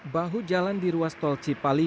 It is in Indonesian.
bahu jalan di ruas tol cipali